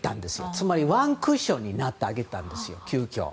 つまりワンクッションになってあげたんです、急きょ。